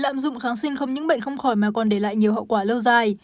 lạm dụng kháng sinh không những bệnh không khỏi mà còn để lại nhiều hậu quả lâu dài